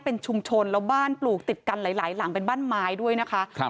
เป็นชุมชนแล้วบ้านปลูกติดกันหลายหลายหลังเป็นบ้านไม้ด้วยนะคะครับ